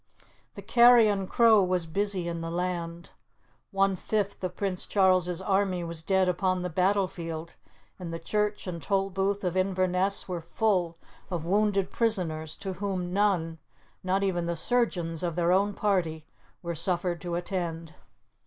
The carrion crow was busy in the land. One fifth of Prince Charles's army was dead upon the battle field, and the church and tolbooth of Inverness were full of wounded prisoners, to whom none not even the surgeons of their own party were suffered to attend.